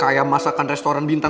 kayak masakan restoran bintang